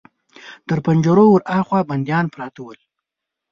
تر پنجرو ور هاخوا بنديان پراته ول.